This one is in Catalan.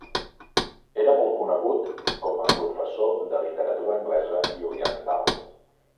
Era molt conegut com a professor de literatura anglesa i oriental.